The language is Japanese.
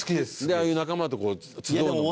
ああいう仲間と集うのも。